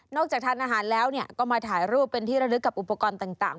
จากทานอาหารแล้วก็มาถ่ายรูปเป็นที่ระลึกกับอุปกรณ์ต่าง